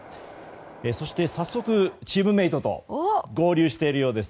そして、早速チームメートと合流しているようです。